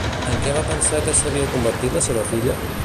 En què va pensar que s'havia convertit la seva filla?